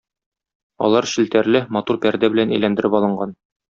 Алар челтәрле, матур пәрдә белән әйләндереп алынган.